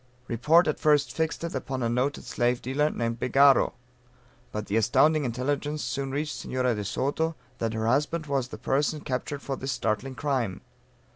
Report at first fixed it upon a noted slave dealer, named Begaro. But the astounding intelligence soon reached Senora de Soto, that her husband was the person captured for this startling crime.